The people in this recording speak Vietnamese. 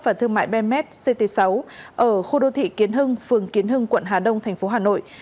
và thương mại bemet ct sáu ở khu đô thị kiến hưng phường kiến hưng quận hà đông tp hà nội